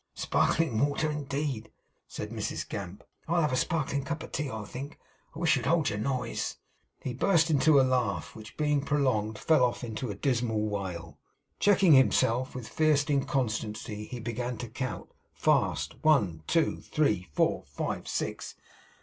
'Sparkling water, indeed!' said Mrs Gamp. 'I'll have a sparkling cup o' tea, I think. I wish you'd hold your noise!' He burst into a laugh, which, being prolonged, fell off into a dismal wail. Checking himself, with fierce inconstancy he began to count fast. 'One two three four five six.